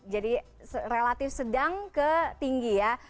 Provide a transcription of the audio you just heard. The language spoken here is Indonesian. jadi relatif sedang ke tinggi ya